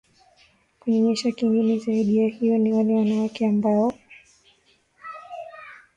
kunyonyesha kingine zaidi ya hiyo ni wale wanawake ambao